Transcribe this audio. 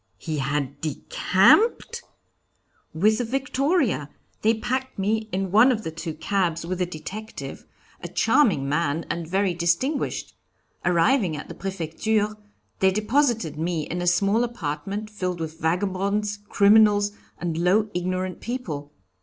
"He had decamped?" "With the victoria. They packed me in one of the two cabs with the detective, a charming man and very distinguished. Arriving at the Prefecture, they deposited me in a small apartment filled with vagabonds, criminals, and low, ignorant people.